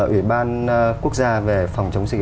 ủy ban quốc gia về phòng chống dịch